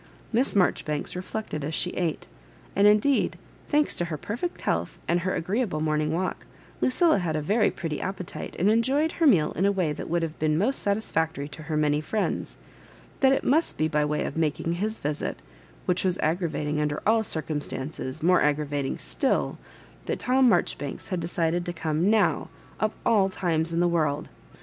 Miss Marjoribanks reflected as she ate— and indeed, thanks to her perfect healtii and her agreeable morning walk, Lucilla had a very pretty appetite, and enjoyed her meal in a way that would have been most satis&ctory to her many friends — that it must be by way of making his visit, which was aggravatmg under all dr cumstances, more agravating still, that Tom Marjoribanks had decided to come now, of all times in the world.